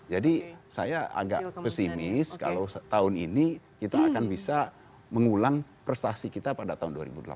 jadi saya agak pesimis kalau tahun ini kita akan bisa mengulang prestasi kita pada tahun dua ribu delapan belas